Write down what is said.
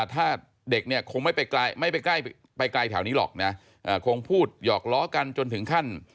ถ้าเด็กเนี่ยคงไม่ไปไกลแถวนี้หรอกนะคงพูดหยอกล้อกันจนถึงขั้น